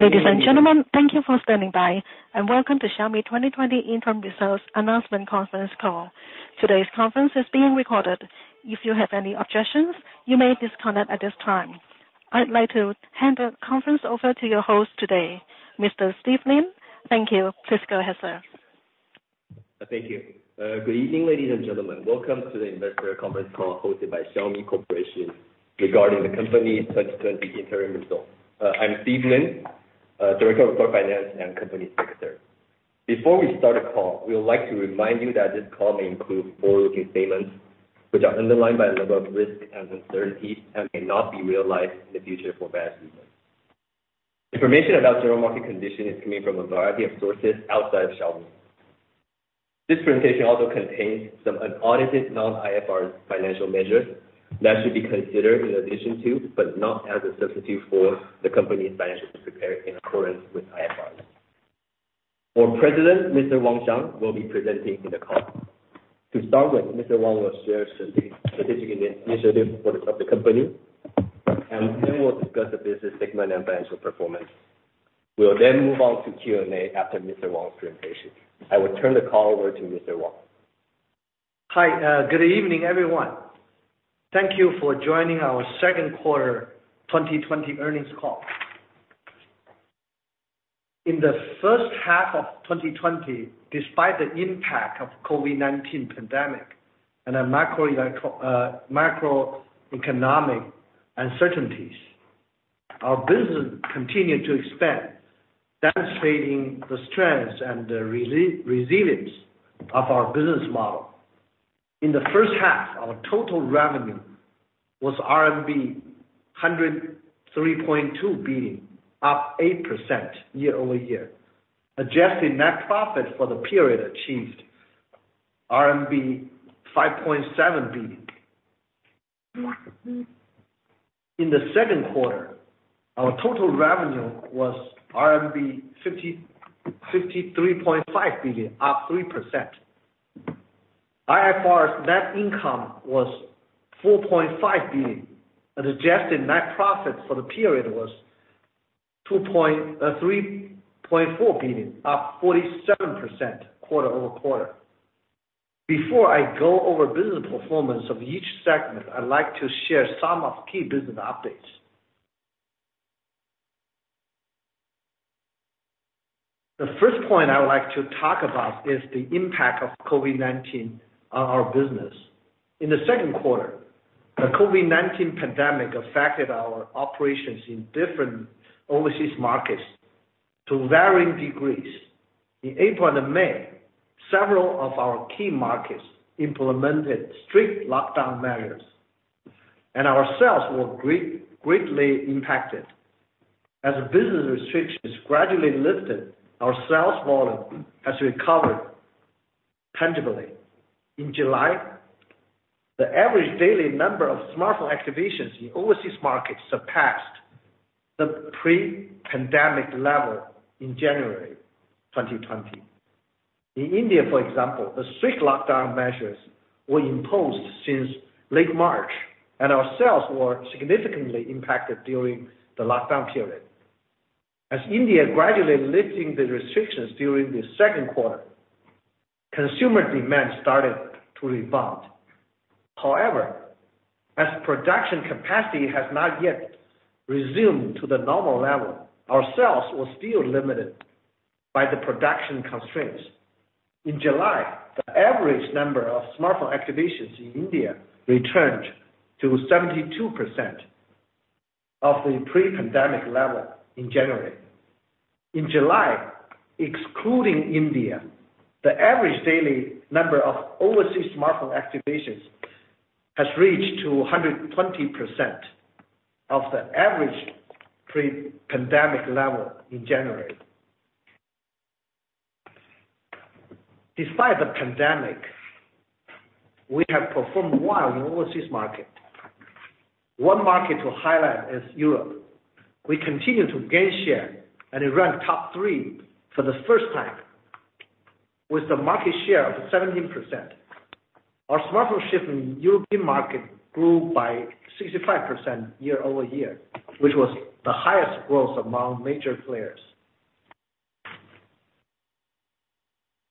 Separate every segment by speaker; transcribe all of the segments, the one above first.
Speaker 1: Ladies and gentlemen, thank you for standing by, and Welcome to Xiaomi 2020 Interim Results Announcement Conference Call. Today's conference is being recorded. If you have any objections, you may disconnect at this time. I'd like to hand the conference over to your host today, Mr. Steve Lin. Thank you. Please go ahead, sir.
Speaker 2: Thank you. Good evening, ladies and gentlemen. Welcome to the investor conference call hosted by Xiaomi Corporation regarding the company's 2020 interim results. I'm Steve Lin, Director of Corporate Finance and Company Secretary. Before we start the call, we would like to remind you that this call may include forward-looking statements, which are underlined by a number of risks and uncertainties, and may not be realized in the future for various reasons. Information about general market conditions is coming from a variety of sources outside of Xiaomi. This presentation also contains some unaudited non-IFRS financial measures that should be considered in addition to, but not as a substitute for, the company's financials prepared in accordance with IFRS. Our President, Mr. Wang Xiang, will be presenting in the call. To start with, Mr. Wang will share strategic initiatives for the company, and then we'll discuss the business segment and financial performance. We'll move on to Q&A after Mr. Wang's presentation. I will turn the call over to Mr. Wang.
Speaker 3: Hi. Good evening, everyone. Thank Thank you for joining our second quarter 2020 earnings call. In the first half of 2020, despite the impact of COVID-19 pandemic and the macroeconomic uncertainties, our business continued to expand, demonstrating the strength and the resilience of our business model. In the first half, our total revenue was RMB 103.2 billion, up 8% year-over-year. Adjusted net profit for the period achieved RMB 5.7 billion. In the second quarter, our total revenue was 53.5 billion, up 3%. IFRS net income was 4.5 billion. Adjusted net profit for the period was 3.4 billion, up 47% quarter-over-quarter. Before I go over business performance of each segment, I'd like to share some of key business updates. The first point I would like to talk about is the impact of COVID-19 on our business. In the second quarter, the COVID-19 pandemic affected our operations in different overseas markets to varying degrees. In April and May, several of our key markets implemented strict lockdown measures, and our sales were greatly impacted. As business restrictions gradually lifted, our sales volume has recovered tangibly. In July, the average daily number of smartphone activations in overseas markets surpassed the pre-pandemic level in January 2020. In India, for example, the strict lockdown measures were imposed since late March, and our sales were significantly impacted during the lockdown period. As India gradually lifting the restrictions during the second quarter, consumer demand started to rebound. However, as production capacity has not yet resumed to the normal level, our sales were still limited by the production constraints. In July, the average number of smartphone activations in India returned to 72% of the pre-pandemic level in January. In July, excluding India, the average daily number of overseas smartphone activations has reached to 120% of the average pre-pandemic level in January. Despite the pandemic, we have performed well in overseas market. One market to highlight is Europe. We continue to gain share and rank top three for the first time, with a market share of 17%. Our smartphone shipment in European market grew by 65% year-over-year, which was the highest growth among major players.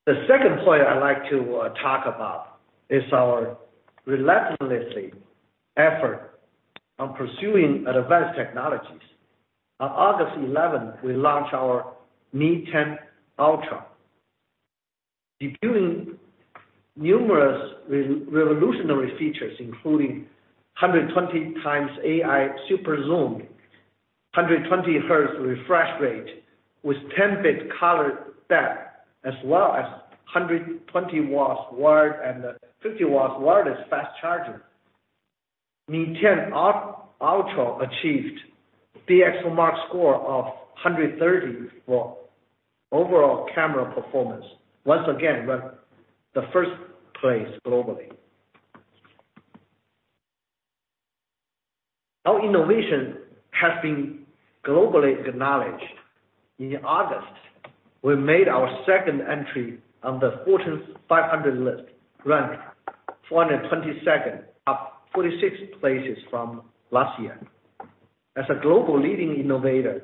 Speaker 3: The second point I'd like to talk about is our relentlessly effort on pursuing advanced technologies. On August 11, we launched our Mi 10 Ultra, debuting numerous revolutionary features, including 120x AI super zoom, 120 hertz refresh rate with 10-bit color depth, as well as 120 W wired and 50 W wireless fast charging. Mi 10 Ultra achieved DxOMark score of 130 for overall camera performance. Once again, ranked the first place globally. Our innovation has been globally acknowledged. In August, we made our second entry on the Fortune 500 list, ranked 422nd, up 46 places from last year. As a global leading innovator,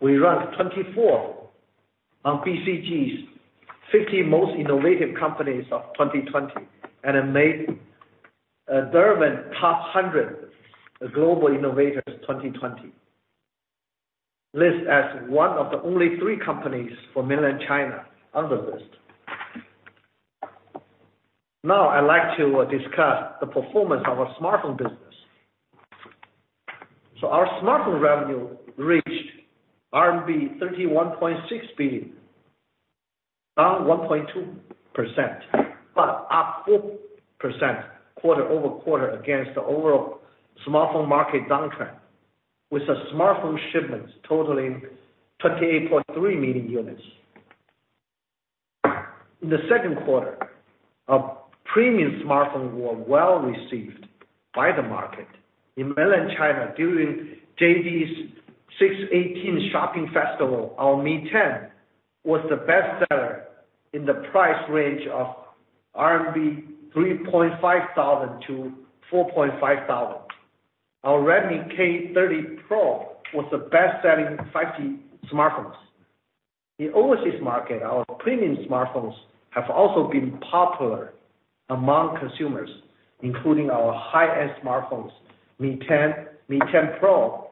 Speaker 3: we ranked 24 on BCG's 50 Most Innovative Companies of 2020, and made Derwent Top 100 Global Innovators 2020 list as one of the only three companies from Mainland China on the list. I'd like to discuss the performance of our smartphone business. Our smartphone revenue reached RMB 31.6 billion, down 1.2%, but up 4% quarter-over-quarter against the overall smartphone market downtrend, with smartphone shipments totaling 28.3 million units. In the second quarter, our premium smartphones were well received by the market. In Mainland China during JD's 618 Shopping Festival, our Mi 10 was the bestseller in the price range of CNY 3.5,000-CNY 4.5,000. Our Redmi K30 Pro was the best-selling 5G smartphone. In overseas markets, our premium smartphones have also been popular among consumers, including our high-end smartphones, Mi 10, Mi 10 Pro,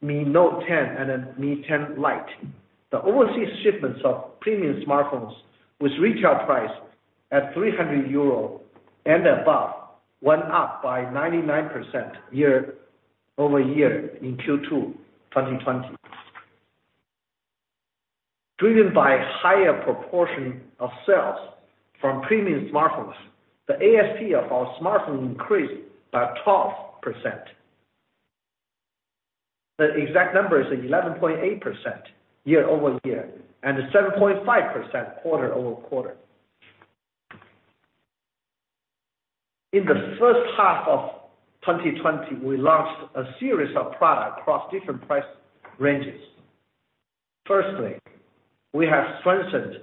Speaker 3: Mi Note 10, and Mi 10 Lite. The overseas shipments of premium smartphones with retail price at 300 euro and above went up by 99% year-over-year in Q2 2020. Driven by a higher proportion of sales from premium smartphones, the ASP of our smartphone increased by 12%. The exact number is 11.8% year-over-year and 7.5% quarter-over-quarter. In the first half of 2020, we launched a series of products across different price ranges. Firstly, we have strengthened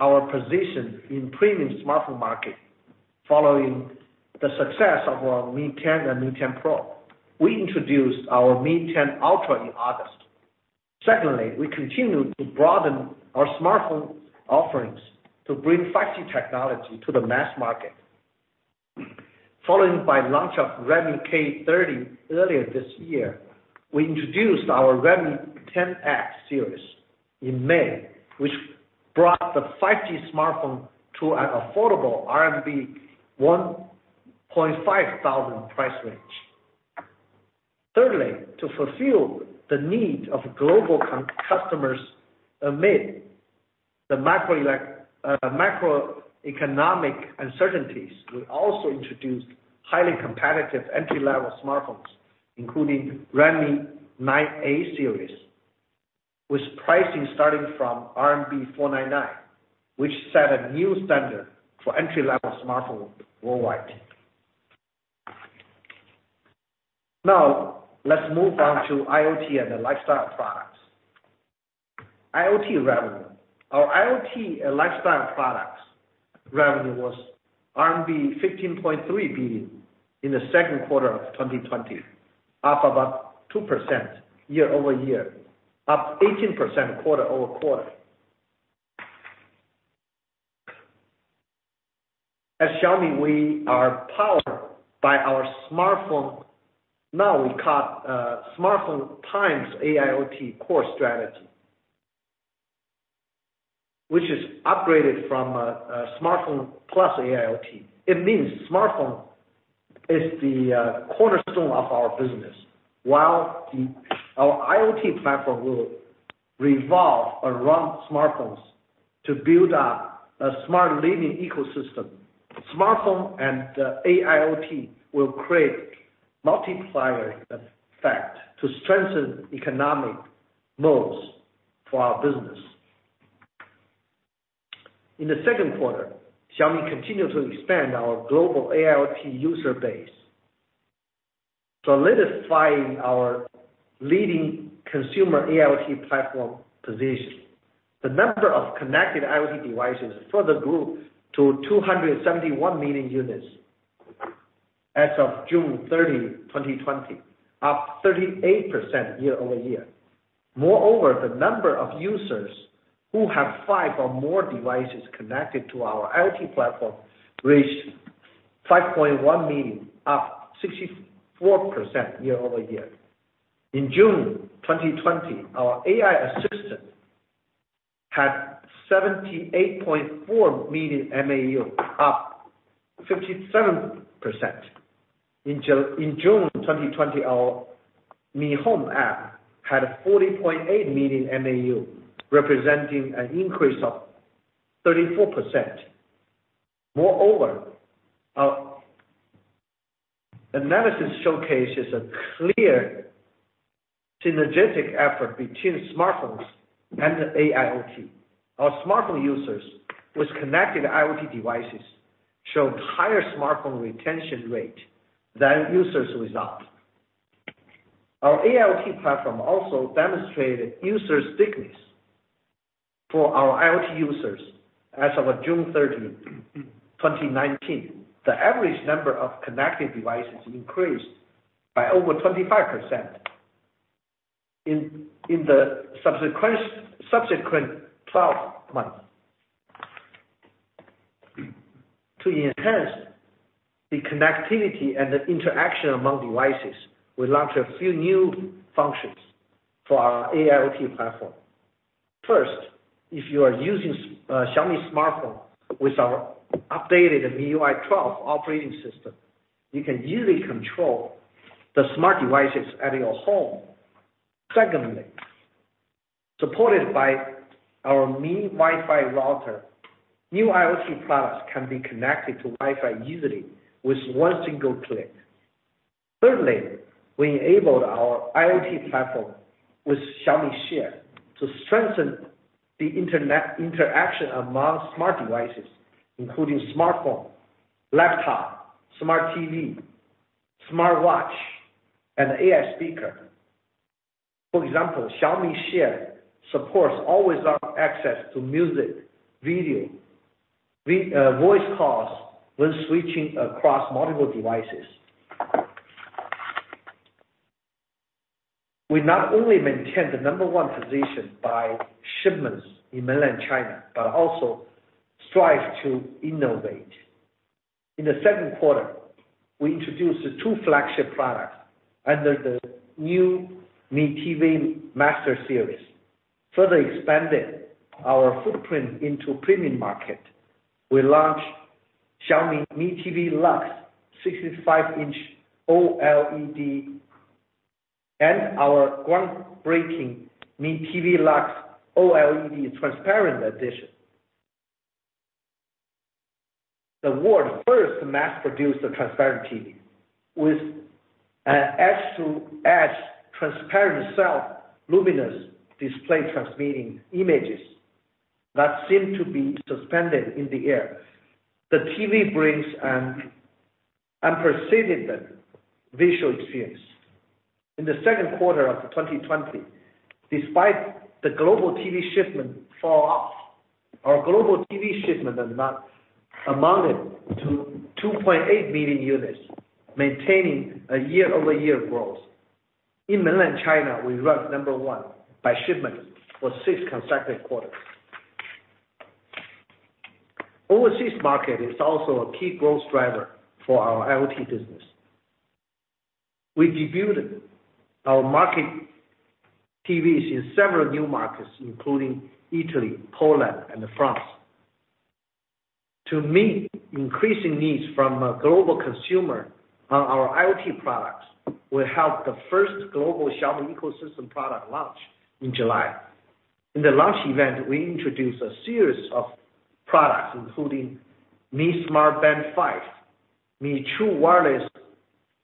Speaker 3: our position in premium smartphone market. Following the success of our Mi 10 and Mi 10 Pro, we introduced our Mi 10 Ultra in August. Secondly, we continue to broaden our smartphone offerings to bring 5G technology to the mass market. Followed by launch of Redmi K30 earlier this year, we introduced our Redmi 10X series in May, which brought the 5G smartphone to an affordable CNY 1.5,000 price range. Thirdly, to fulfill the need of global customers amid the macroeconomic uncertainties, we also introduced highly competitive entry-level smartphones, including Redmi 9A series, with pricing starting from RMB 499, which set a new standard for entry-level smartphone worldwide. Now, let's move on to AIoT and the lifestyle products. AIoT revenue. Our AIoT lifestyle products revenue was RMB 15.3 billion in the second quarter of 2020, up about 2% year-over-year, up 18% quarter-over-quarter. At Xiaomi, we are powered by our smartphone. Now we call Smartphone × AIoT core strategy, which is upgraded from Smartphone + AIoT. It means smartphone is the cornerstone of our business, while our IoT platform will revolve around smartphones to build up a smart living ecosystem. Smartphone and AIoT will create multiplier effect to strengthen economic modes for our business. In the second quarter, Xiaomi continued to expand our global AIoT user base, solidifying our leading consumer AIoT platform position. The number of connected IoT devices further grew to 271 million units as of June 30, 2020, up 38% year-over-year. The number of users who have five or more devices connected to our IoT platform reached 5.1 million, up 64% year-over-year. In June 2020, our AI assistant had 78.4 million MAU, up 57%. In June 2020, our Mi Home app had 40.8 million MAU, representing an increase of 34%. Our analysis showcases a clear synergetic effort between smartphones and AIoT. Our smartphone users with connected IoT devices showed higher smartphone retention rate than users without. Our IoT platform also demonstrated user stickiness for our IoT users. As of June 30, 2019, the average number of connected devices increased by over 25% in the subsequent 12 months. To enhance the connectivity and the interaction among devices, we launched a few new functions for our IoT platform. First, if you are using a Xiaomi smartphone with our updated MIUI 12 operating system, you can easily control the smart devices at your home. Secondly, supported by our Mi Wi-Fi router, new IoT products can be connected to Wi-Fi easily with one single click. Thirdly, we enabled our IoT platform with Mi Share to strengthen the interaction among smart devices, including smartphone, laptop, smart TV, smart watch, and AI speaker. For example, Mi Share supports always-on access to music, video, voice calls when switching across multiple devices. We not only maintain the number one position by shipments in mainland China but also strive to innovate. In the second quarter, we introduced the two flagship products under the new Mi TV Master series, further expanding our footprint into the premium market. We launched Mi TV Lux 65" OLED and our groundbreaking Mi TV LUX OLED Transparent Edition. The world's first mass-produced transparent TV with an edge-to-edge transparent self-luminous display transmitting images that seem to be suspended in the air. The TV brings an unprecedented visual experience. In the second quarter of 2020, despite the global TV shipment falloff, our global TV shipments amounted to 2.8 million units, maintaining a year-over-year growth. In mainland China, we ranked number one by shipments for six consecutive quarters. Overseas market is also a key growth driver for our IoT business. We debuted our Market TVs in several new markets, including Italy, Poland, and France. To meet increasing needs from global consumer, our IoT products will have the first global shopping ecosystem product launch in July. In the launch event, we introduced a series of products including Mi Smart Band 5, Mi True Wireless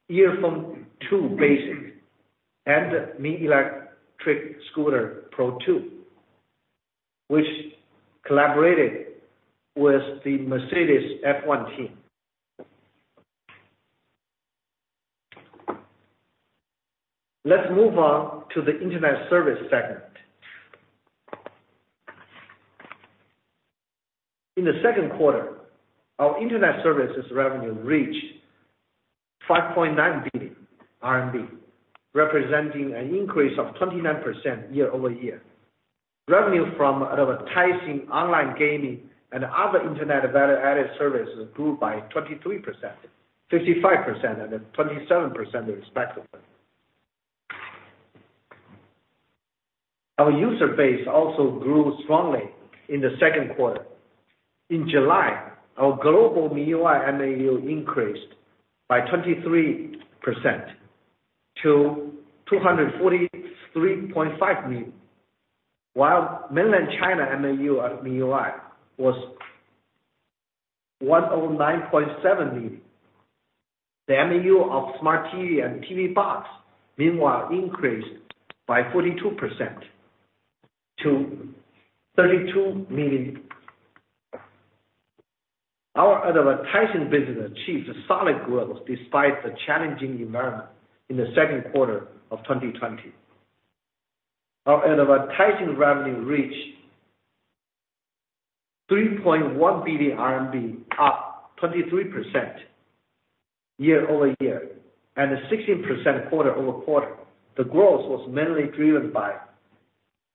Speaker 3: Earphone 2 Basic, and Mi Electric Scooter Pro 2, which collaborated with the Mercedes F1 team. Let's move on to the internet service segment. In the second quarter, our internet services revenue reached 5.9 billion RMB, representing an increase of 29% year-over-year. Revenue from advertising, online gaming, and other internet value-added services grew by 23%, 55%, and 27% respectively. Our user base also grew strongly in the second quarter. In July, our global MIUI MAU increased by 23% to 243.5 million, while mainland China MAU of MIUI was 109.7 million. The MAU of smart TV and TV box, meanwhile, increased by 42% to 32 million. Our advertising business achieved solid growth despite the challenging environment in the second quarter of 2020. Our advertising revenue reached CNY 3.1 billion, up 23% year-over-year and 16% quarter-over-quarter. The growth was mainly driven by,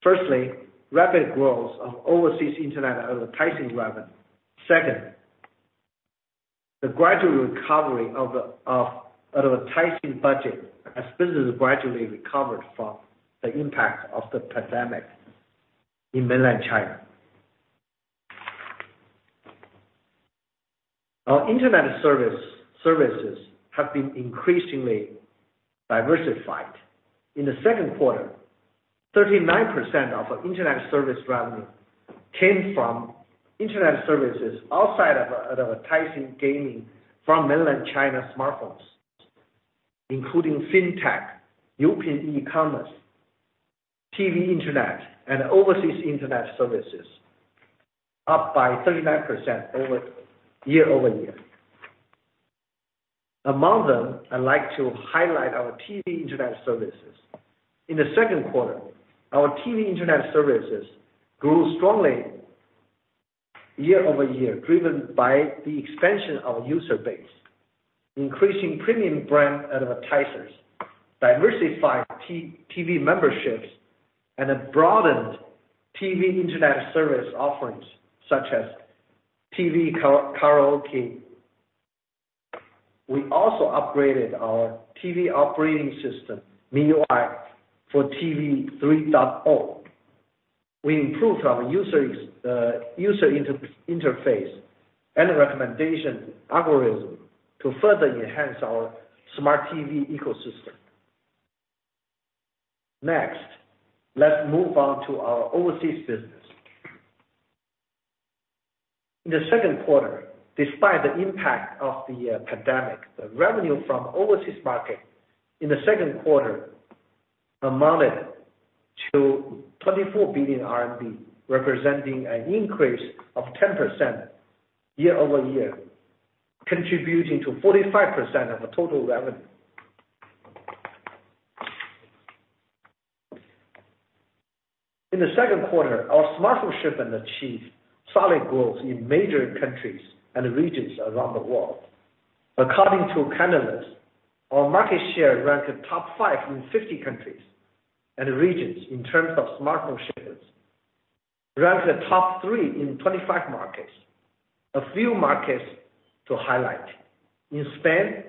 Speaker 3: firstly, rapid growth of overseas internet advertising revenue. Second, the gradual recovery of advertising budget as businesses gradually recovered from the impact of the pandemic in mainland China. Our internet services have been increasingly diversified. In the second quarter, 39% of internet service revenue came from internet services outside of advertising gaming from mainland China smartphones, including fintech, Youpin e-commerce. TV Internet and overseas Internet services, up by 39% year-over-year. Among them, I'd like to highlight our TV Internet services. In the second quarter, our TV Internet services grew strongly year-over-year, driven by the expansion of user base, increasing premium brand advertisers, diversified TV memberships, and a broadened TV Internet service offerings, such as TV karaoke. We also upgraded our TV operating system, MIUI for TV 3.0. We improved our user interface and recommendation algorithm to further enhance our smart TV ecosystem. Next, let's move on to our overseas business. In the second quarter, despite the impact of the pandemic, the revenue from overseas market in the second quarter amounted to 24 billion RMB, representing an increase of 10% year-over-year, contributing to 45% of the total revenue. In the second quarter, our smartphone shipment achieved solid growth in major countries and regions around the world. According to Canalys, our market share ranked top five in 50 countries and regions in terms of smartphone shipments, ranked the top three in 25 markets. A few markets to highlight. In Spain,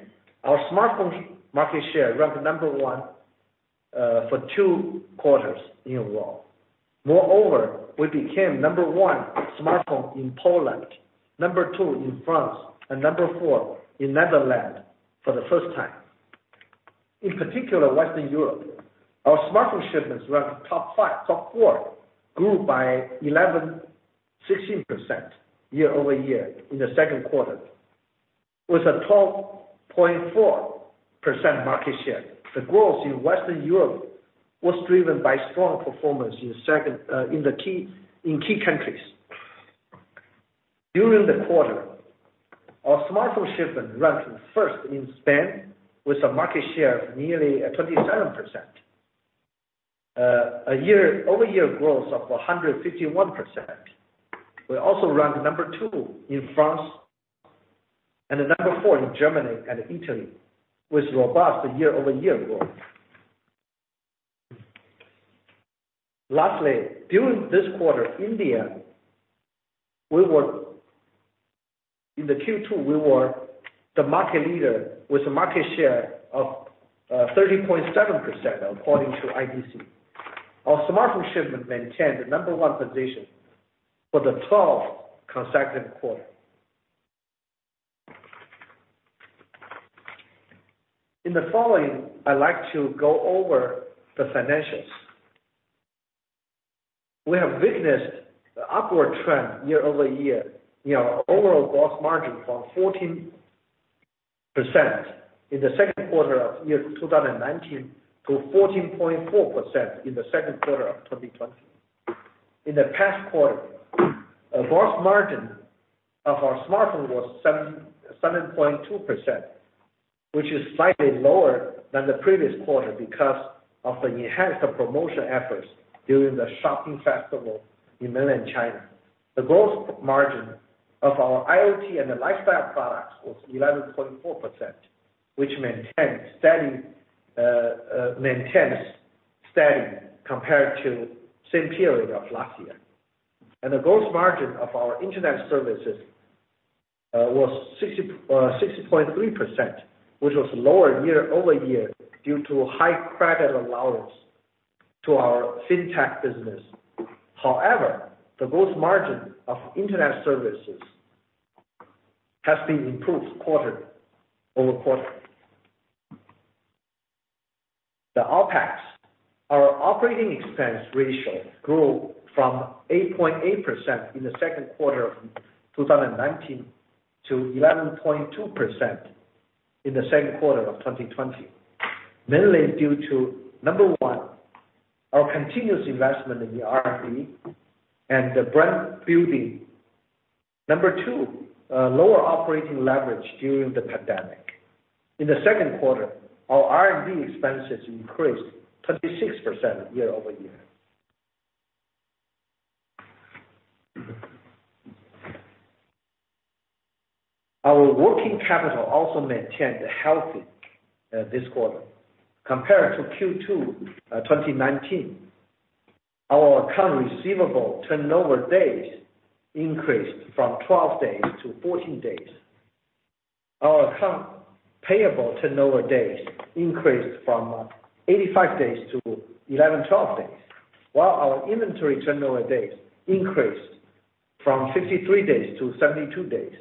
Speaker 3: our smartphone market share ranked number one for two quarters in a row. Moreover, we became number one smartphone in Poland, number two in France, and number four in Netherlands for the first time. In particular, Western Europe, our smartphone shipments ranked top four, grew by 16% year-over-year in the second quarter, with a 12.4% market share. The growth in Western Europe was driven by strong performance in key countries. During the quarter, our smartphone shipment ranked first in Spain with a market share of nearly 27%, a year-over-year growth of 151%. We also ranked number two in France and number four in Germany and Italy, with robust year-over-year growth. Lastly, during this quarter, India, in the Q2, we were the market leader with a market share of 30.7%, according to IDC. Our smartphone shipment maintained the number one position for the 12th consecutive quarter. In the following, I'd like to go over the financials. We have witnessed the upward trend year-over-year in our overall gross margin from 14% in the second quarter of year 2019 to 14.4% in the second quarter of 2020. In the past quarter, our gross margin of our smartphone was 7.2%, which is slightly lower than the previous quarter because of the enhanced promotion efforts during the shopping festival in mainland China. The gross margin of our IoT and lifestyle products was 11.4%, which maintains steady compared to same period of last year. The gross margin of our Internet services was 60.3%, which was lower year-over-year due to high credit allowance to our FinTech business. However, the gross margin of Internet services has been improved quarter-over-quarter. The OPEX. Our operating expense ratio grew from 8.8% in the second quarter of 2019 to 11.2% in the second quarter of 2020, mainly due to, number one, our continuous investment in the R&D and the brand building. Number two, lower operating leverage during the pandemic. In the second quarter, our R&D expenses increased 26% year-over-year. Our working capital also maintained healthy this quarter. Compared to Q2 2019, our account receivable turnover days increased from 12 days to 14 days. Our account payable turnover days increased from 85 days to 11, 12 days. While our inventory turnover days increased from 53 days to 72 days.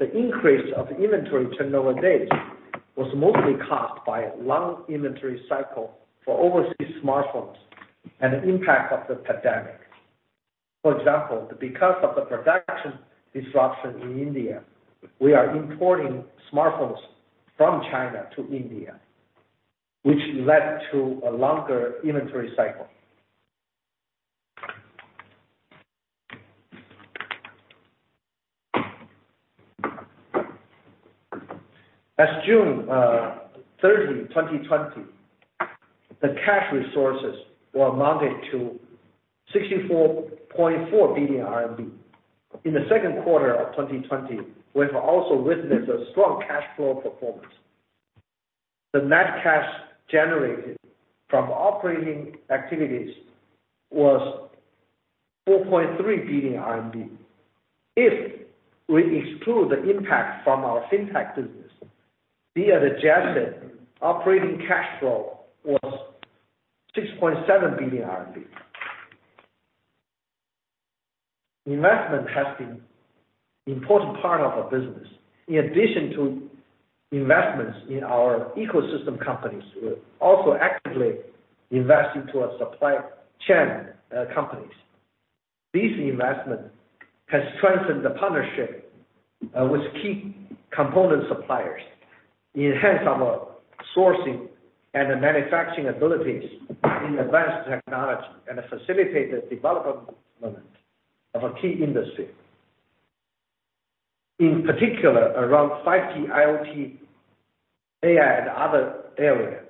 Speaker 3: The increase of inventory turnover days was mostly caused by a long inventory cycle for overseas smartphones and the impact of the pandemic. For example, because of the production disruption in India, we are importing smartphones from China to India, which led to a longer inventory cycle. As of June 30, 2020, the cash resources were amounted to 64.4 billion RMB. In the second quarter of 2020, we have also witnessed a strong cash flow performance. The net cash generated from operating activities was 4.3 billion RMB. If we exclude the impact from our FinTech business, the adjusted operating cash flow was CNY 6.7 billion. Investment has been important part of our business. In addition to investments in our ecosystem companies, we also actively invest into our supply chain companies. This investment has strengthened the partnership with key component suppliers, enhanced our sourcing and manufacturing abilities in advanced technology, and facilitate the development of a key industry. In particular, around 5G, IoT, AI, and other areas.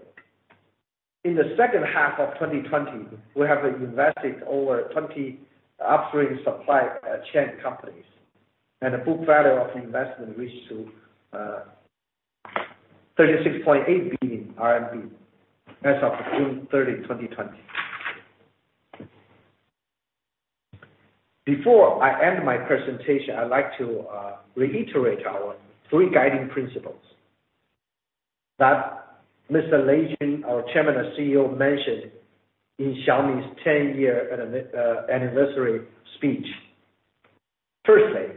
Speaker 3: In the second half of 2020, we have invested over 20 upstream supply chain companies, and the book value of investment reached to 36.8 billion RMB as of June 30, 2020. Before I end my presentation, I'd like to reiterate our three guiding principles that Mr. Lei Jun, our Chairman and CEO, mentioned in Xiaomi's 10-year anniversary speech. Firstly,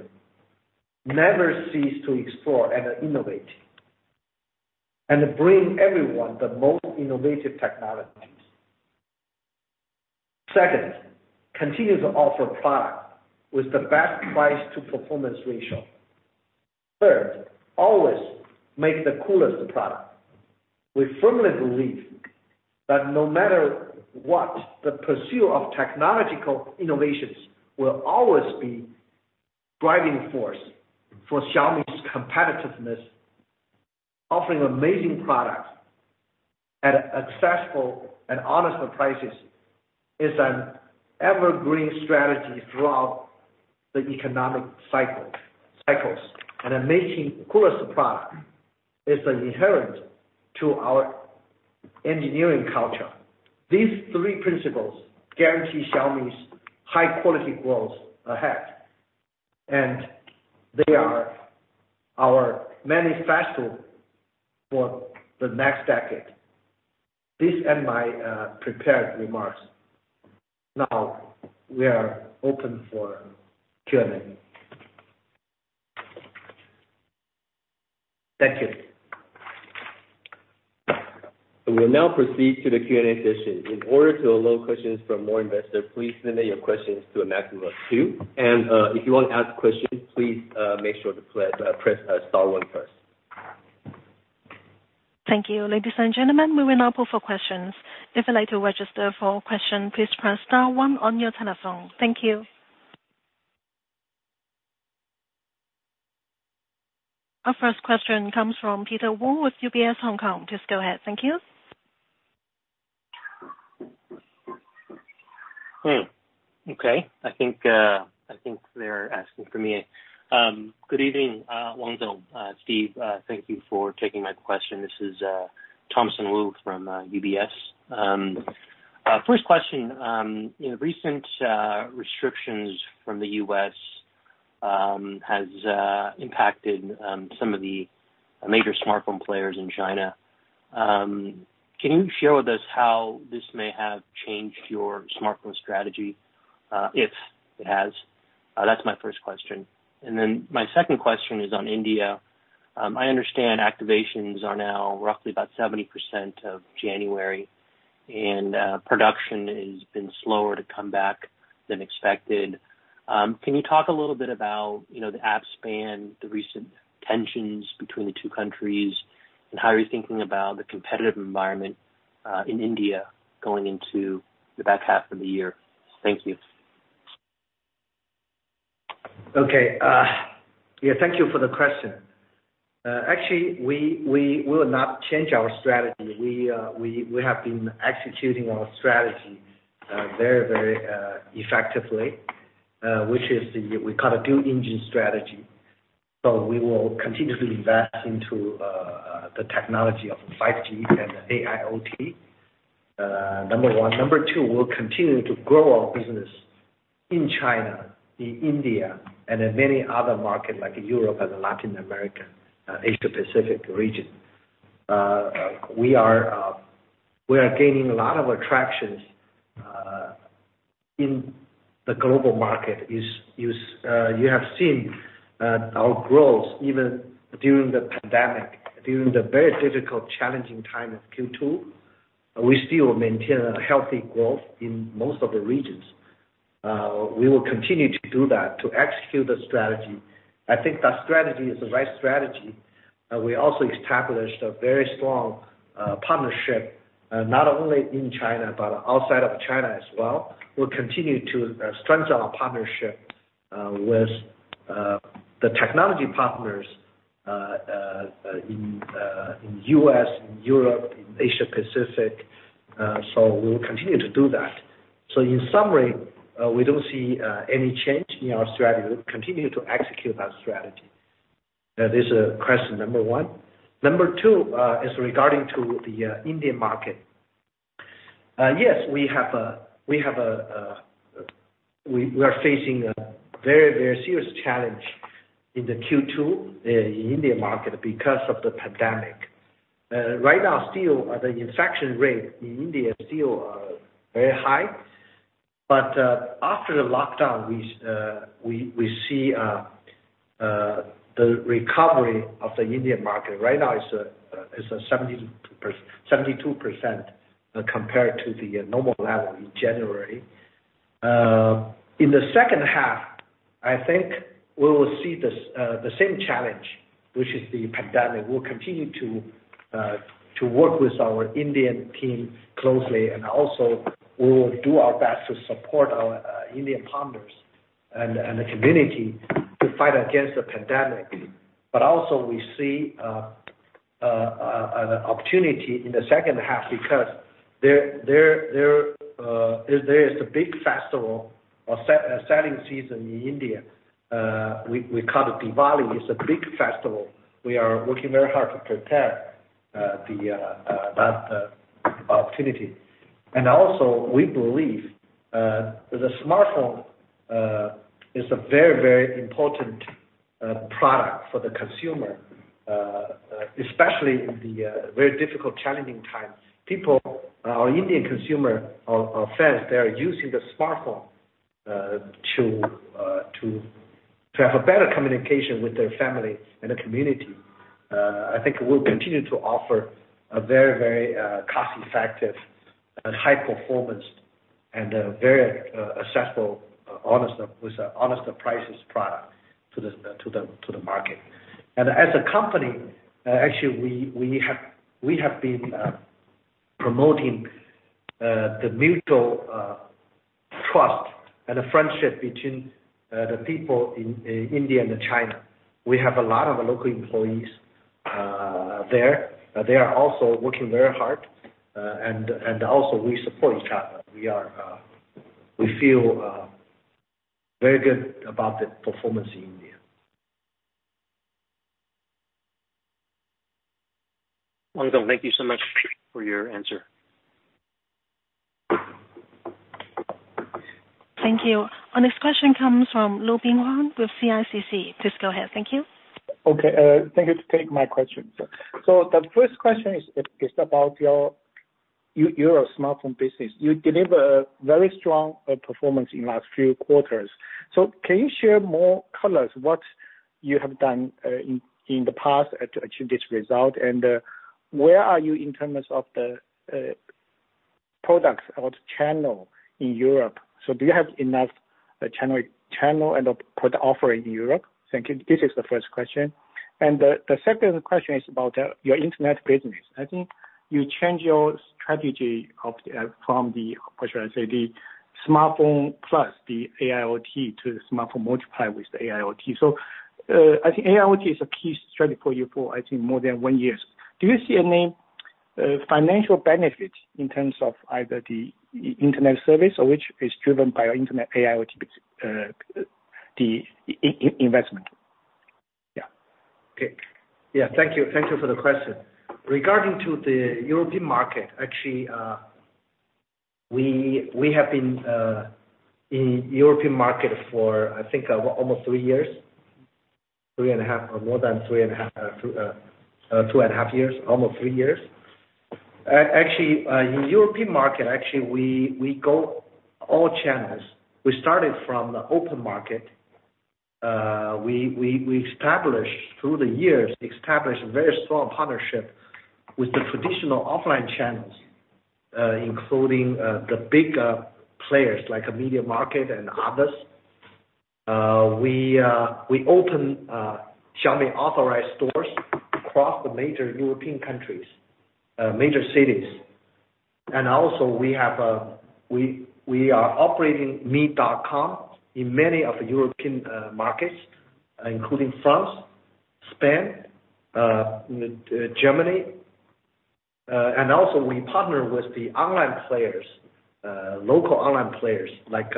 Speaker 3: never cease to explore and innovate, and bring everyone the most innovative technologies. Second, continue to offer product with the best price to performance ratio. Third, always make the coolest product. We firmly believe that no matter what, the pursuit of technological innovations will always be driving force for Xiaomi's competitiveness. Offering amazing products at successful and honest prices is an evergreen strategy throughout the economic cycles. Making coolest product is an inherent to our engineering culture. These three principles guarantee Xiaomi's high quality growth ahead, and they are our manifesto for the next decade. These end my prepared remarks. Now, we are open for Q&A. Thank you.
Speaker 2: We'll now proceed to the Q&A session. In order to allow questions from more investors, please limit your questions to a maximum of two. if you want to ask questions, please make sure to press star one first.
Speaker 1: Thank you. Ladies and gentlemen, we will now open for questions. If you'd like to register for question, please press star one on your telephone. Thank you. Our first question comes from Peter Wu with UBS Hong Kong. Please go ahead. Thank you.
Speaker 4: Okay. I think they're asking for me. Good evening, Wang Xiang, Steve. Thank you for taking my question. This is Thompson Wu from UBS. First question. Recent restrictions from the U.S. has impacted some of the major smartphone players in China. Can you share with us how this may have changed your smartphone strategy, if it has? That's my first question. My second question is on India. I understand activations are now roughly about 70% of January, and production has been slower to come back than expected. Can you talk a little bit about the app ban, the recent tensions between the two countries, and how you're thinking about the competitive environment in India going into the back half of the year? Thank you.
Speaker 3: Okay. Yeah. Thank you for the question. Actually, we will not change our strategy. We have been executing our strategy very effectively, which is we call a dual engine strategy. we will continuously invest into the technology of 5G and AIoT, number one. Number two, we'll continue to grow our business in China, in India, and in many other market like Europe and Latin America, Asia Pacific region. We are gaining a lot of traction in the global market. You have seen our growth even during the pandemic, during the very difficult, challenging time of Q2. We still maintain a healthy growth in most of the regions. We will continue to do that to execute the strategy. I think that strategy is the right strategy. We also established a very strong partnership, not only in China, but outside of China as well. We'll continue to strengthen our partnership with the technology partners in U.S., in Europe, in Asia Pacific. We'll continue to do that. In summary, we don't see any change in our strategy. We'll continue to execute that strategy. That is question number one. Number two is regarding to the Indian market. Yes, we are facing a very serious challenge in the Q2 in Indian market because of the pandemic. Right now, still, the infection rate in India is still very high. After the lockdown, we see the recovery of the Indian market. Right now, it's at 72% compared to the normal level in January. In the second half, I think we will see the same challenge, which is the pandemic. We'll continue to work with our Indian team closely, and also we will do our best to support our Indian partners and the community to fight against the pandemic. Also, we see an opportunity in the second half because there is a big festival or selling season in India. We call it Diwali. It's a big festival. We are working very hard to prepare that opportunity. Also, we believe that the smartphone is a very important product for the consumer, especially in the very difficult, challenging times. Our Indian consumer or fans, they are using the smartphone to have a better communication with their family and the community. I think we'll continue to offer a very cost-effective and high-performance and a very accessible, honest prices product to the market. as a company, actually, we have been promoting the mutual trust and the friendship between the people in India and China. We have a lot of local employees there. They are also working very hard, and also we support each other. We feel very good about the performance in India.
Speaker 4: Wang Xiang, thank you so much for your answer.
Speaker 1: Thank you. Our next question comes from Leping Huang with CICC. Please go ahead. Thank you.
Speaker 5: Okay. Thank you for taking my question, sir. The first question is about your smartphone business. You deliver very strong performance in last few quarters. Can you share more colors, what you have done in the past to achieve this result? Where are you in terms of the products or the channel in Europe? Do you have enough channel and product offering in Europe? Thank you. This is the first question. The second question is about your internet business. I think you change your strategy from the, how should I say, the smartphone plus the AIoT to the smartphone multiply with the AIoT. I think AIoT is a key strategy for you for, I think, more than one year. Do you see any financial benefit in terms of either the internet service or which is driven by your internet AIoT investment? Yeah.
Speaker 3: Okay. Yeah, thank you. Thank you for the question. Regarding to the European market, actually, we have been in European market for, I think, almost three years. Three and a half, or more than three and a half. Two and a half years, almost three years. Actually, in European market, actually, we go all channels. We started from the open market. We, through the years, established a very strong partnership with the traditional offline channels, including the big players like MediaMarkt and others. We open Xiaomi authorized stores across the major European countries, major cities. also we are operating mi.com in many of the European markets, including France, Spain, Germany. also we partner with the online players, local online players like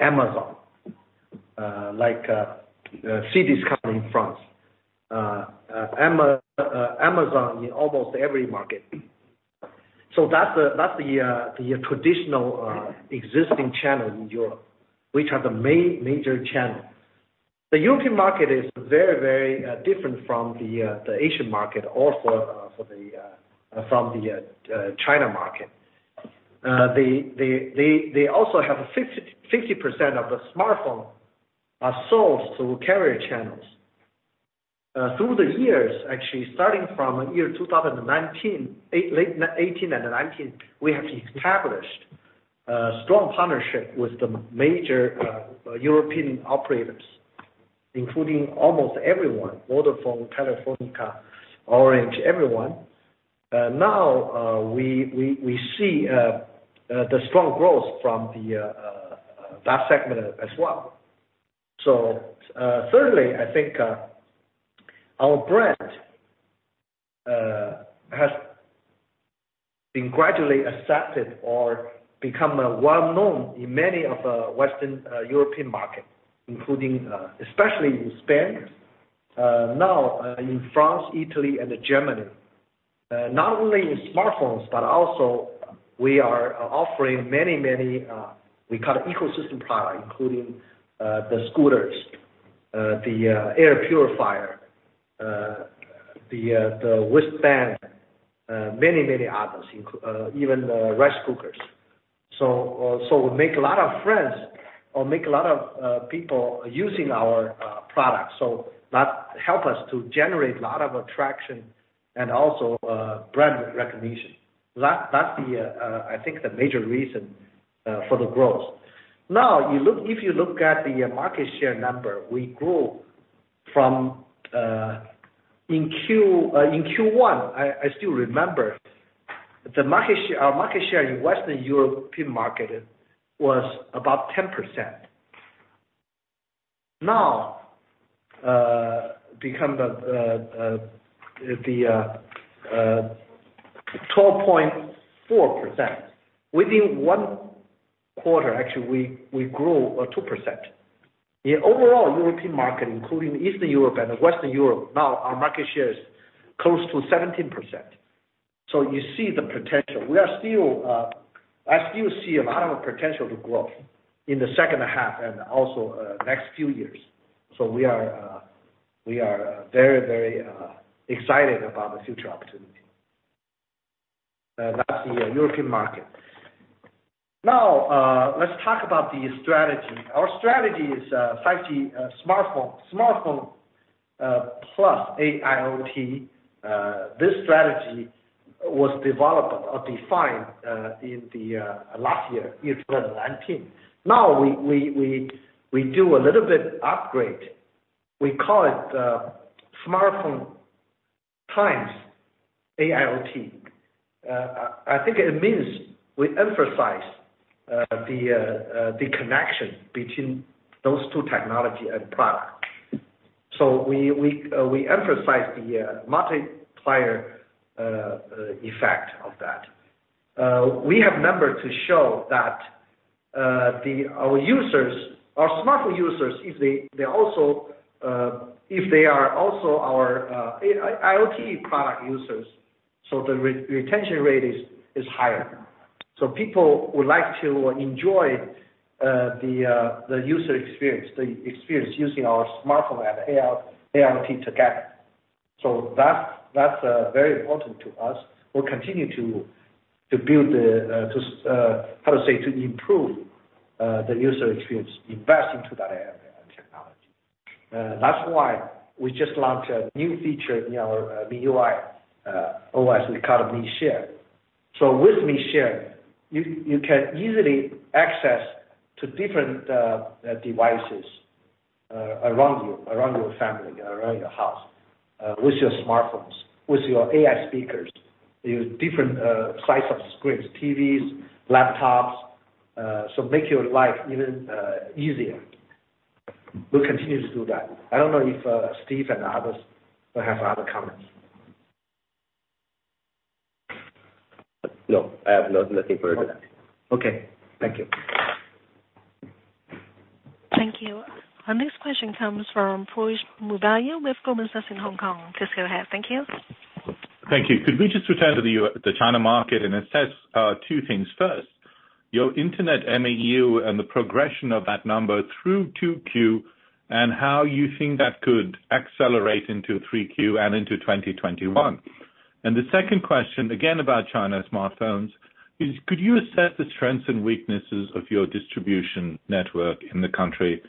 Speaker 3: Amazon, like Cdiscount in France. Amazon in almost every market. that's the traditional existing channel in Europe, which are the major channel. The European market is very different from the Asian market, also from the China market. They also have 50% of the smartphone are sold through carrier channels. Through the years, actually starting from year 2019, late 2018 and 2019, we have established a strong partnership with the major European operators, including almost everyone, Vodafone, Telefónica, Orange, everyone. Now we see the strong growth from that segment as well. Thirdly, I think our brand has been gradually accepted or become well-known in many of the Western European markets, including, especially in Spain. Now in France, Italy, and Germany. Not only in smartphones, but also we are offering many, we call it ecosystem product, including the scooters, the air purifier, the wristband, many others, even rice cookers. We make a lot of friends or make a lot of people using our products. That help us to generate a lot of traction and also brand recognition. That's, I think, the major reason for the growth. Now, if you look at the market share number, we grew from, in Q1, I still remember, our market share in Western European market was about 10%. Now, become the 12.4%. Within one quarter, actually, we grew 2%. In overall European market, including Eastern Europe and Western Europe, now our market share is close to 17%. you see the potential. I still see a lot of potential to grow in the second half and also next few years. we are very excited about the future opportunity. That's the European market. Now, let's talk about the strategy. Our strategy is 5G Smartphone + AIoT. This strategy was developed or defined in the last year 2019. Now we do a little bit upgrade. We call it Smartphone x AIoT. I think it means we emphasize the connection between those two technology and product. We emphasize the multiplier effect of that. We have number to show that our smartphone users, if they are also our AIoT product users. The retention rate is higher. People would like to enjoy the user experience, the experience using our smartphone and AIoT together. That's very important to us. We'll continue to build, how to say, to improve the user experience, invest into that area of technology. That's why we just launched a new feature in our MIUI OS. We call it Mi Share. With Mi Share, you can easily access to different devices around you, around your family, around your house, with your smartphones, with your AI speakers, with different sizes of screens, TVs, laptops. Make your life even easier. We'll continue to do that. I don't know if Steve and others will have other comments.
Speaker 2: No, I have nothing further to add.
Speaker 5: Okay. Thank you.
Speaker 1: Thank you. Our next question comes from Piyush Mubayi with Goldman Sachs in Hong Kong. Please go ahead. Thank you.
Speaker 6: Thank you. Could we just return to the China market and assess two things? First, your internet MAU and the progression of that number through 2Q, and how you think that could accelerate into 3Q and into 2021. The second question, again about China smartphones, is could you assess the strengths and weaknesses of your distribution network in the country?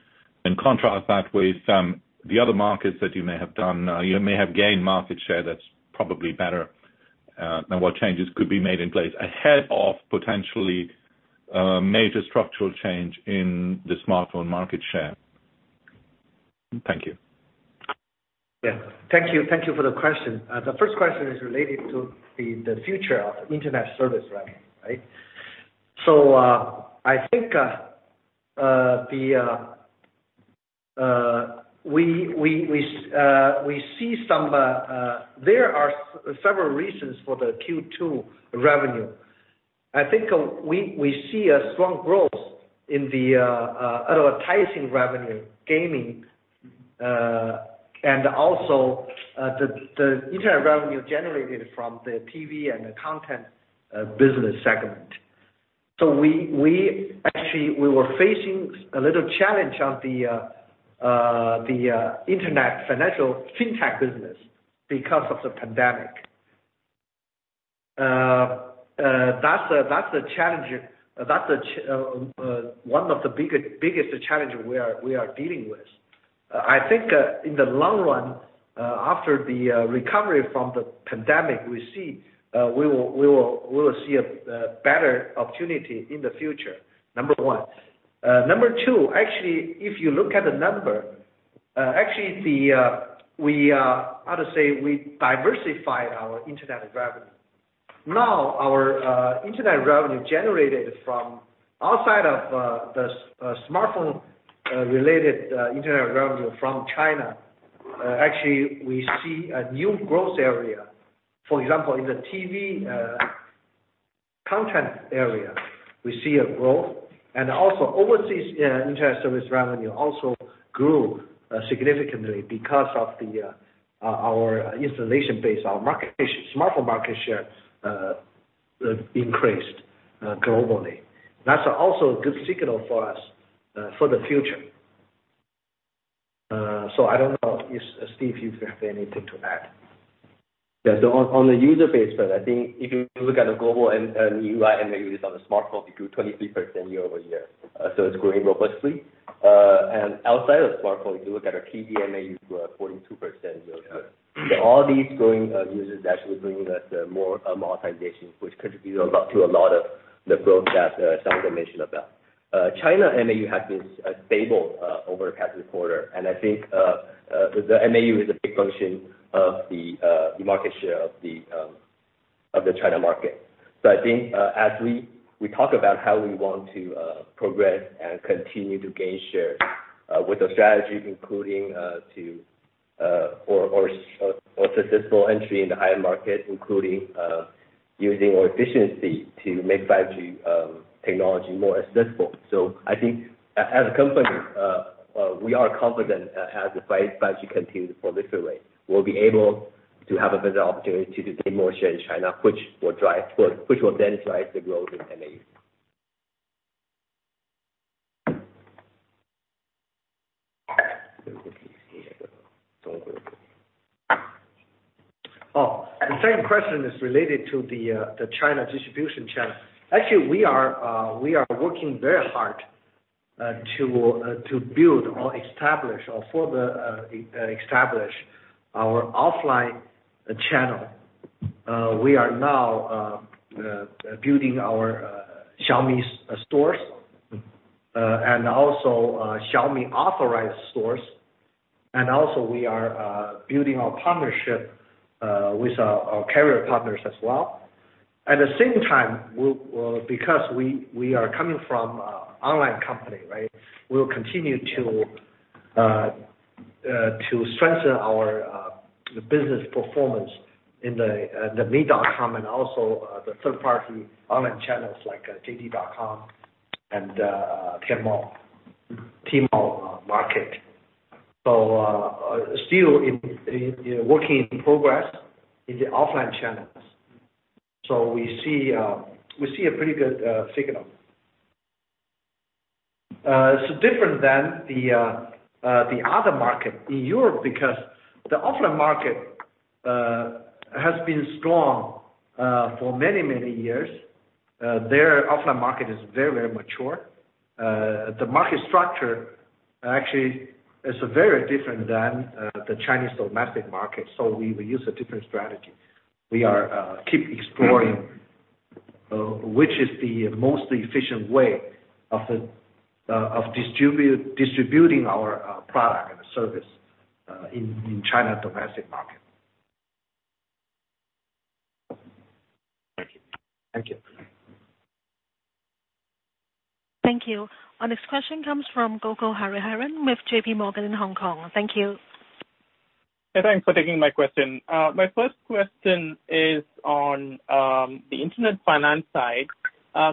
Speaker 6: In contrast that with some, the other markets that you may have done, you may have gained market share that's probably better. What changes could be made in place ahead of potentially major structural change in the smartphone market share. Thank you.
Speaker 3: Yeah. Thank you for the question. The first question is related to the future of internet service revenue, right? I think there are several reasons for the Q2 revenue. I think we see a strong growth in the advertising revenue, gaming, and also the internet revenue generated from the TV and the content business segment. Actually, we were facing a little challenge on the internet financial fintech business because of the pandemic. That's one of the biggest challenges we are dealing with. I think in the long run, after the recovery from the pandemic, we will see a better opportunity in the future. Number one. Number two, actually, if you look at the number, actually, how to say, we diversify our internet revenue. Now our internet revenue generated from outside of the smartphone related internet revenue from China, actually, we see a new growth area. For example, in the TV content area, we see a growth and also overseas internet service revenue also grew significantly because of our installation base, our smartphone market share increased globally. That's also a good signal for us for the future. I don't know if, Steve, you have anything to add.
Speaker 2: Yeah. on the user base front, I think if you look at the global and UI MAU used on the smartphone, we grew 23% year-over-year. it's growing robustly. outside of the smartphone, if you look at our TV MAU, grew at 42% year-over-year.
Speaker 3: Yeah.
Speaker 2: All these growing users actually bringing us more monetization, which contributes to a lot of the growth that Raymond mentioned about. China MAU has been stable over past quarter, and I think the MAU is a big function of the market share of the China market. I think as we talk about how we want to progress and continue to gain share with the strategies including successful entry in the higher market, including using our efficiency to make 5G technology more accessible. I think as a company, we are confident as the 5G continues to proliferate, we'll be able to have a better opportunity to gain more share in China, which will then drive the growth in MAU.
Speaker 3: Oh, the second question is related to the China distribution channel. Actually, we are working very hard to build or further establish our offline channel. We are now building our Xiaomi stores and also Xiaomi authorized stores, and also we are building our partnership with our carrier partners as well. At the same time, because we are coming from online company, we'll continue to strengthen our business performance in the mi.com and also the third party online channels like jd.com and Tmall market. Still working in progress in the offline channels. We see a pretty good signal. It's different than the other market in Europe because the offline market has been strong for many, many years. Their offline market is very mature. The market structure actually is very different than the Chinese domestic market, so we use a different strategy. We keep exploring which is the most efficient way of distributing our product and service in China domestic market.
Speaker 6: Thank you.
Speaker 3: Thank you.
Speaker 1: Thank you. Our next question comes from Gokul Hariharan with JPMorgan in Hong Kong. Thank you.
Speaker 7: Yeah, thanks for taking my question. My first question is on the internet finance side.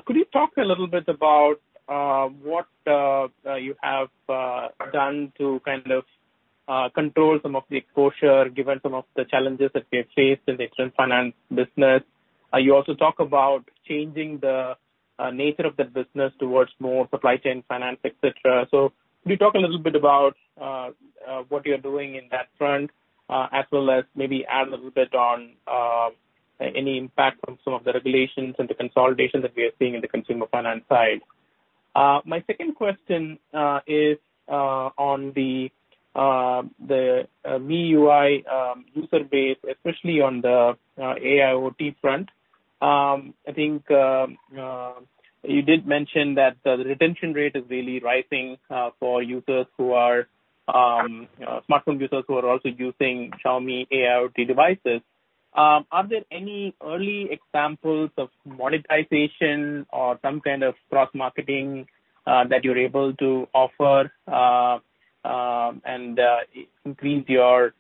Speaker 7: Could you talk a little bit about what you have done to kind of control some of the exposure given some of the challenges that we have faced in the internet finance business? You also talk about changing the nature of the business towards more supply chain finance, et cetera. Could you talk a little bit about what you're doing in that front? As well as maybe add a little bit on any impact from some of the regulations and the consolidation that we are seeing in the consumer finance side. My second question is on the MIUI user base, especially on the AIoT front. I think you did mention that the retention rate is really rising for smartphone users who are also using Xiaomi AIoT devices. Are there any early examples of monetization or some kind of cross-marketing that you're able to offer and increase your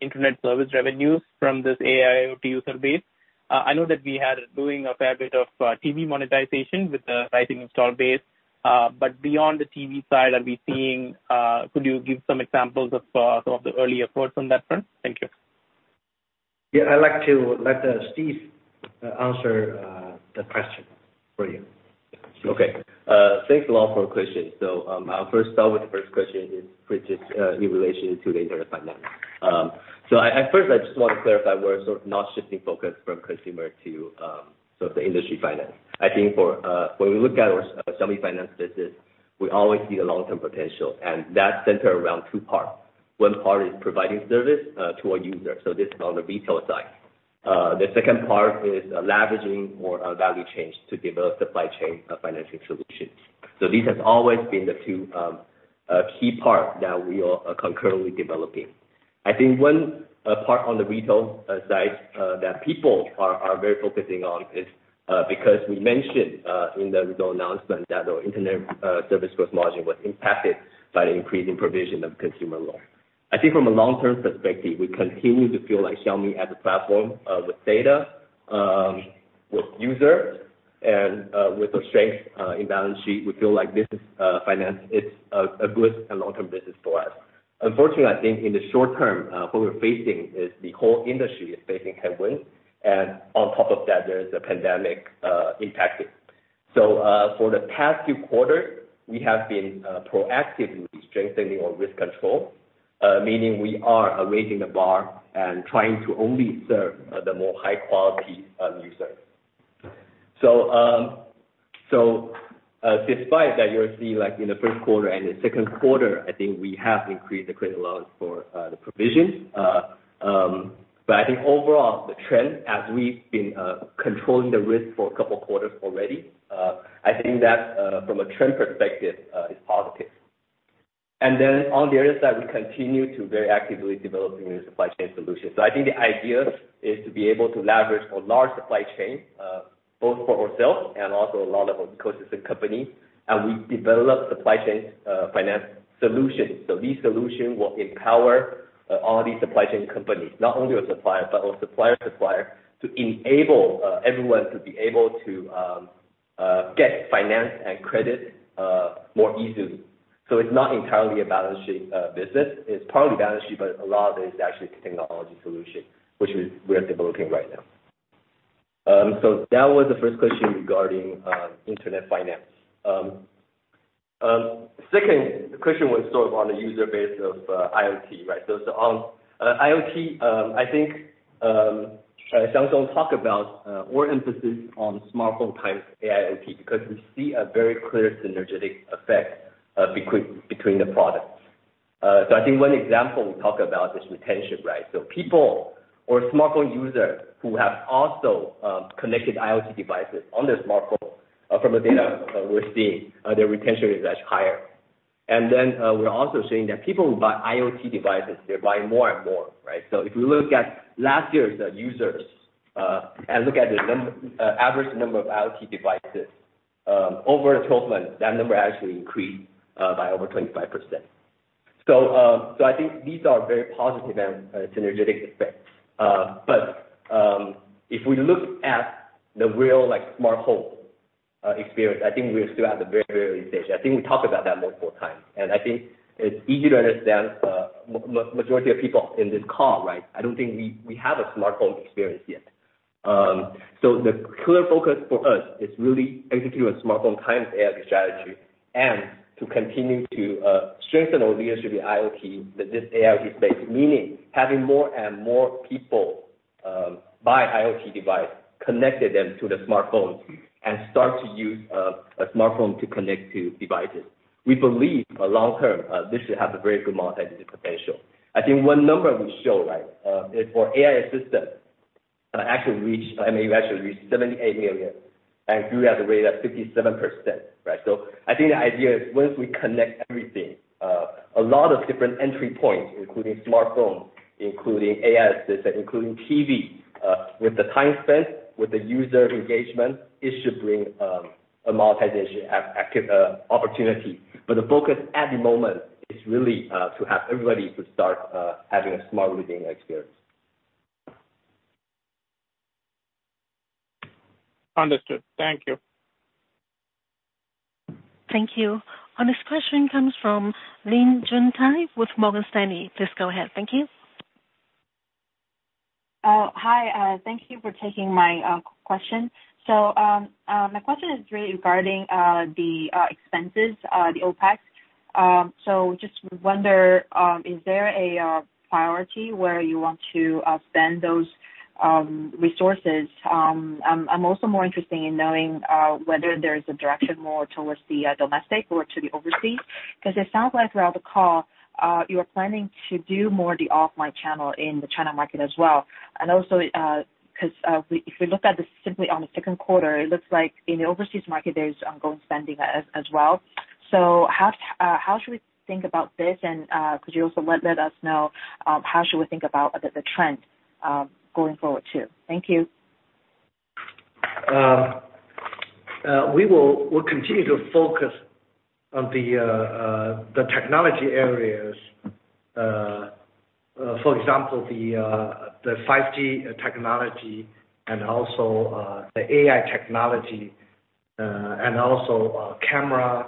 Speaker 7: internet service revenues from this AIoT user base? I know that we had doing a fair bit of TV monetization with the rising install base. Beyond the TV side, could you give some examples of some of the early efforts on that front? Thank you.
Speaker 3: Yeah, I'd like to let Steve answer the question for you.
Speaker 2: Okay. Thanks a lot for the question. I'll first start with the first question is in relation to the internet finance. First I just want to clarify, we're sort of not shifting focus from consumer to the industry finance. I think when we look at our Xiaomi finance business, we always see the long-term potential, and that's centered around two parts. One part is providing service to our user. This is on the retail side. The second part is leveraging more value chains to develop supply chain financing solutions. These have always been the two key parts that we are concurrently developing. I think one part on the retail side that people are very focusing on is because we mentioned in the retail announcement that our internet service gross margin was impacted by the increasing provision of consumer loans. I think from a long-term perspective, we continue to feel like Xiaomi as a platform with data, with users, and with the strength in balance sheet, we feel like this is finance. It's a good and long-term business for us. Unfortunately, I think in the short term, what we're facing is the whole industry is facing headwinds, and on top of that, there is a pandemic impacting. For the past few quarters, we have been proactively strengthening our risk control, meaning we are raising the bar and trying to only serve the more high-quality users. Despite that, you'll see in the first quarter and the second quarter, I think we have increased the credit loans for the provisions. I think overall, the trend, as we've been controlling the risk for a couple of quarters already, I think that from a trend perspective, is positive. On the other side, we continue to very actively develop new supply chain solutions. I think the idea is to be able to leverage a large supply chain, both for ourselves and also a lot of our ecosystem companies. We develop supply chain finance solutions. These solutions will empower all the supply chain companies, not only our suppliers, but our supplier suppliers, to enable everyone to be able to get finance and credit more easily. It's not entirely a balance sheet business. It's partly balance sheet, but a lot of it is actually technology solution, which we're developing right now. That was the first question regarding internet finance. Second question was sort of on the user base of IoT, right? On IoT, I think Xiang Zong talked about more emphasis on smartphone x AIoT because we see a very clear synergetic effect between the products. I think one example we talk about is retention, right? People or smartphone users who have also connected IoT devices on their smartphone, from the data we're seeing their retention is much higher. We're also seeing that people who buy IoT devices, they're buying more and more, right? If we look at last year's users and look at the average number of IoT devices over 12 months, that number actually increased by over 25%. I think these are very positive and synergetic effects. If we look at the real smartphone experience, I think we're still at the very early stage. I think we talked about that multiple times, and I think it's easy to understand majority of people in this call, right? I don't think we have a smartphone experience yet. The clear focus for us is really executing smartphone-kind AIoT strategy and to continue to strengthen our leadership in IoT, this AIoT space, meaning having more and more people buy IoT device, connected them to the smartphone, and start to use a smartphone to connect to devices. We believe long term this should have a very good monetization potential. I think one number we show, right? Is for AI assistant actually reached MAU, actually reached 78 million and grew at the rate of 57%, right? I think the idea is once we connect everything, a lot of different entry points, including smartphone, including AI assistant, including TV with the time spent with the user engagement, it should bring a monetization opportunity. the focus at the moment is really to have everybody to start having a smart living experience.
Speaker 7: Understood. Thank you.
Speaker 1: Thank you. Our next question comes from Lynn-Jen Tsai with Morgan Stanley. Please go ahead. Thank you.
Speaker 8: Hi. Thank you for taking my question. my question is really regarding the expenses, the OpEx. just wonder, is there a priority where you want to spend those resources? I'm also more interested in knowing whether there is a direction more towards the domestic or to the overseas, because it sounds like throughout the call, you are planning to do more the offline channel in the China market as well. also because if we look at this simply on the second quarter, it looks like in the overseas market, there's ongoing spending as well. how should we think about this? could you also let us know how should we think about the trend going forward, too? Thank you.
Speaker 3: We will continue to focus on the technology areas. For example, the 5G technology and also the AI technology and also camera,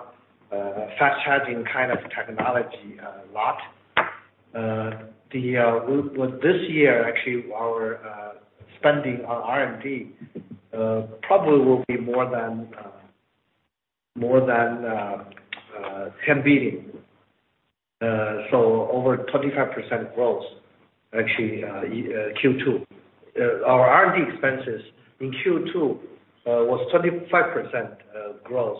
Speaker 3: fast charging kind of technology a lot. This year, actually, our spending on R&D probably will be more than 10 billion. Over 25% growth, actually, Q2. Our R&D expenses in Q2 were 25% growth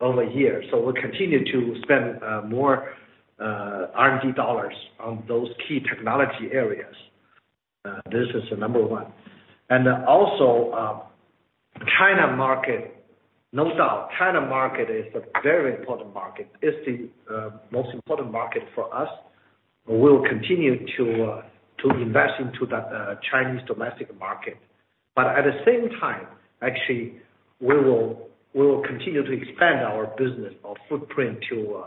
Speaker 3: over a year. We'll continue to spend more R&D dollars on those key technology areas. This is the number one. Also China market, no doubt. China market is a very important market. It's the most important market for us. We'll continue to invest into that Chinese domestic market. At the same time, actually, we will continue to expand our business, our footprint to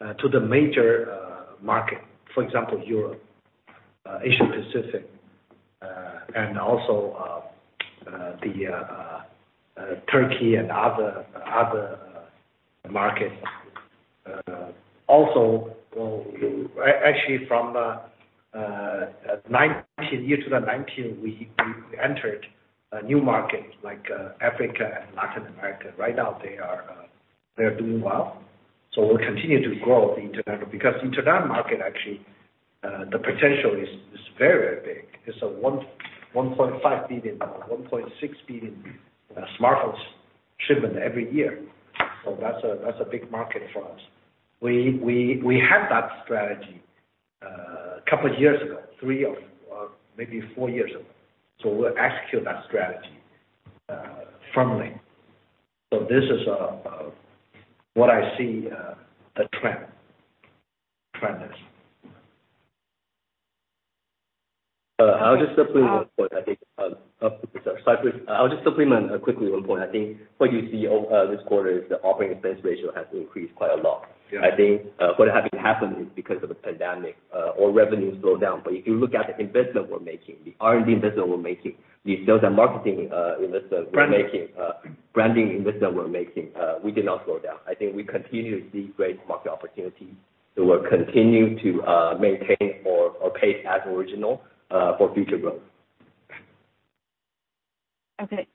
Speaker 3: the major market. For example, Europe, Asia-Pacific, and also Turkey and other markets. Also, actually from year 2019, we entered a new market, like Africa and Latin America. Right now they are doing well. We'll continue to grow the international. International market, actually, the potential is very big. It's a 1.5 billion, 1.6 billion smartphones shipment every year. That's a big market for us. We had that strategy a couple of years ago, three or maybe four years ago. We'll execute that strategy firmly. This is what I see the trend is.
Speaker 2: I'll just supplement quickly one point. I think what you see this quarter is the operating expense ratio has increased quite a lot.
Speaker 3: Yeah.
Speaker 2: I think what happened is because of the pandemic or revenue slowdown. if you look at the investment we're making, the R&D investment we're making, the sales and marketing investment we're making-
Speaker 3: Branding
Speaker 2: branding investment we're making, we did not slow down. I think we continue to see great market opportunity. we'll continue to maintain our pace as original for future growth.
Speaker 8: Okay.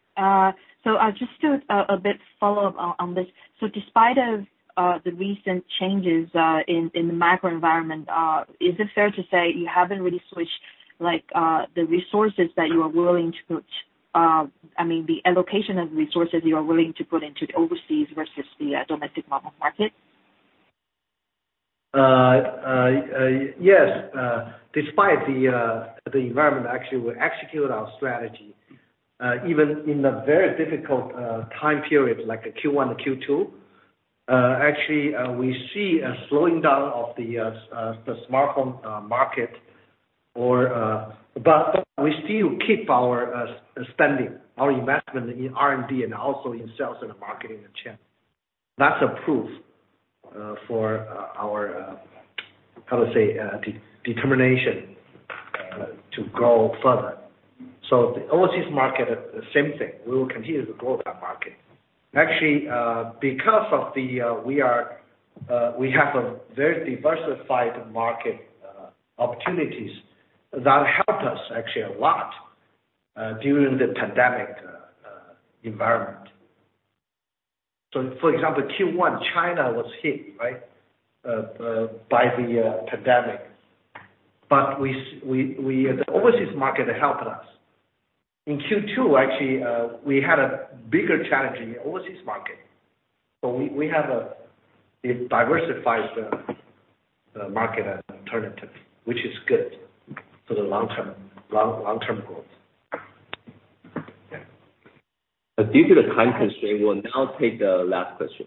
Speaker 8: just to a bit follow up on this. despite of the recent changes in the macro environment, is it fair to say you haven't really switched the resources that you are willing to put I mean, the allocation of resources you are willing to put into overseas versus the domestic mobile market?
Speaker 3: Yes. Despite the environment, actually, we execute our strategy. Even in the very difficult time periods like the Q1 and Q2. Actually, we see a slowing down of the smartphone market. We still keep our spending, our investment in R&D and also in sales and marketing and channel. That's a proof for our, how to say, determination to grow further. The overseas market, the same thing. We will continue to grow that market. Actually, because we have a very diversified market opportunities that helped us actually a lot during the pandemic environment. For example, Q1, China was hit by the pandemic. The overseas market helped us. In Q2, actually, we had a bigger challenge in the overseas market. We have diversified the market alternative, which is good for the long-term goals.
Speaker 2: Yeah. Due to the time constraint, we'll now take the last question.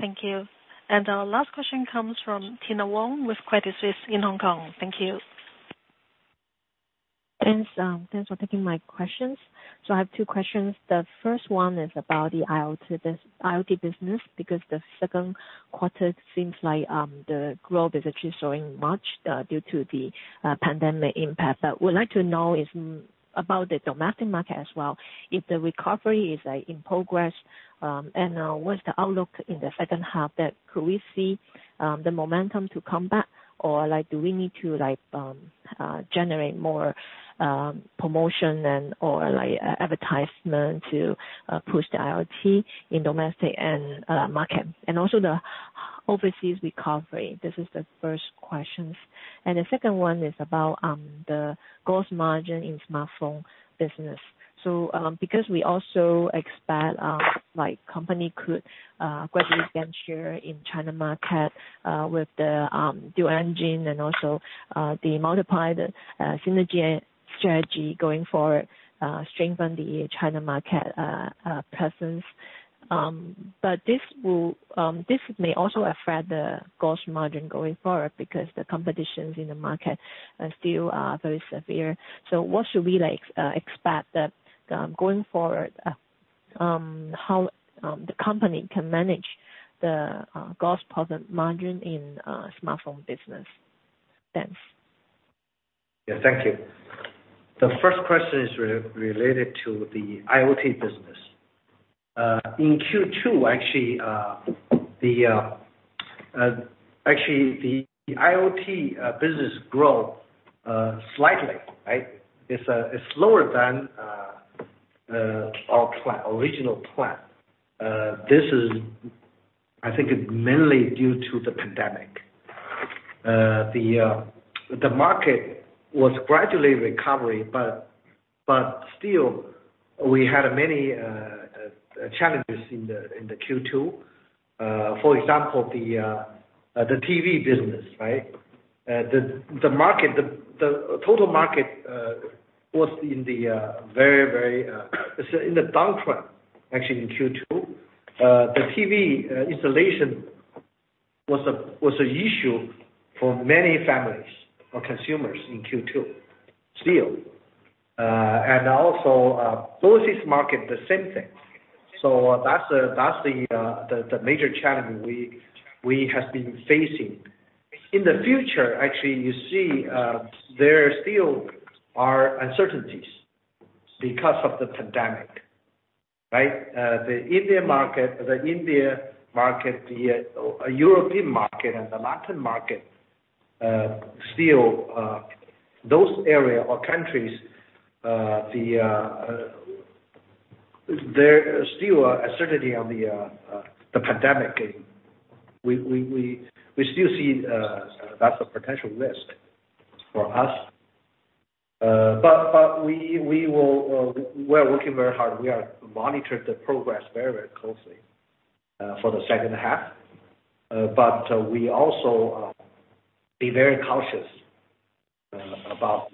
Speaker 1: Thank you. Our last question comes from Tina Wu with Credit Suisse in Hong Kong. Thank you.
Speaker 9: Thanks for taking my questions. I have two questions. The first one is about the IoT business, because the second quarter seems like the growth is actually slowing much due to the pandemic impact. Would like to know is about the domestic market as well. If the recovery is in progress. What's the outlook in the second half? That could we see the momentum to come back or do we need to generate more promotion and/or advertisement to push the IoT in domestic and market? Also the overseas recovery. This is the first questions. The second one is about the gross margin in smartphone business. Because we also expect company could gradually gain share in China market with the dual engine and also the multiplied synergy strategy going forward strengthen the China market presence. This may also affect the gross margin going forward because the competitions in the market still are very severe. What should we expect that going forward, how the company can manage the gross profit margin in smartphone business? Thanks.
Speaker 3: Thank you. The first question is related to the IoT business. In Q2, actually, the IoT business grew slightly. It's slower than our original plan. I think it's mainly due to the pandemic. The market was gradually recovering, still, we had many challenges in the Q2. For example, the TV business. The total market was in the downtrend, actually, in Q2. The TV installation was an issue for many families or consumers in Q2 still. Also, overseas market, the same thing. That's the major challenge we have been facing. In the future, actually, you see there still are uncertainties because of the pandemic. The India market, the European market, and the Latin market, still those areas or countries, there are still uncertainty on the pandemic. We still see that's a potential risk for us. We're working very hard. We are monitoring the progress very closely for the second half. We also be very cautious about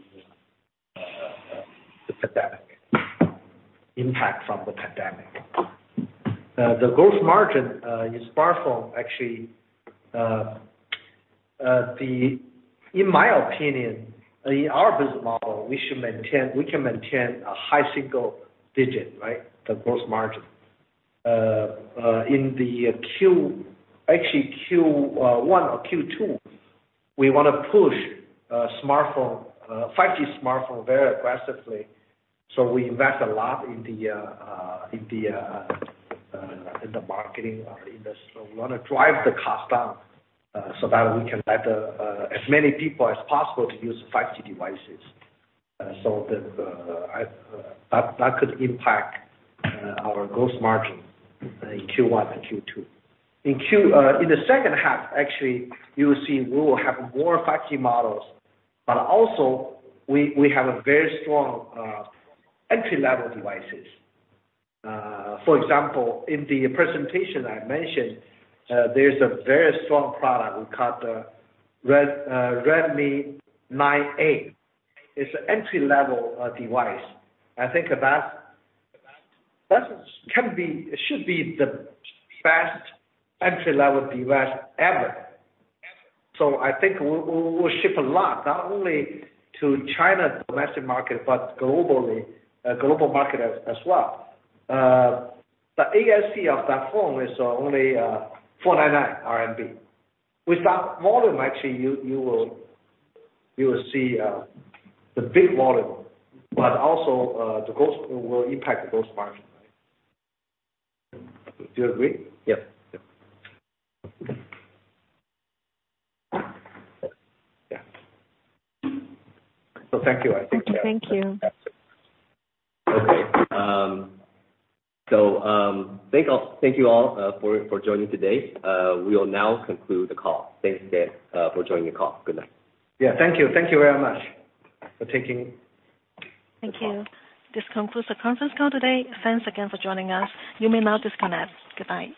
Speaker 3: the impact from the pandemic. The gross margin in smartphone, actually, in my opinion, in our business model, we can maintain a high single digit, the gross margin. Actually, Q1 or Q2, we want to push 5G smartphone very aggressively. We invest a lot in the marketing. We want to drive the cost down so that we can let as many people as possible to use 5G devices. That could impact our gross margin in Q1 and Q2. In the second half, actually, you'll see we will have more 5G models, but also we have a very strong entry-level devices. For example, in the presentation I mentioned, there's a very strong product we call the Redmi 9A. It's an entry-level device. I think that should be the best entry-level device ever. I think we'll ship a lot, not only to China's domestic market, but global market as well. The ASP of that phone is only 499 RMB. With that volume, actually, you will see the big volume. Also, it will impact the gross margin. Do you agree?
Speaker 2: Yeah.
Speaker 3: Yeah. Thank you.
Speaker 9: Thank you.
Speaker 2: Okay. Thank you all for joining today. We will now conclude the call. Thanks, Wang Xiang, for joining the call. Good night.
Speaker 3: Yeah. Thank you very much for taking the call.
Speaker 1: Thank you. This concludes the conference call today. Thanks again for joining us. You may now disconnect. Goodbye.